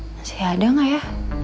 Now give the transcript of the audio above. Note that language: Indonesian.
masih ada gak ya